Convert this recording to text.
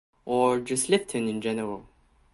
Or just lifting in general.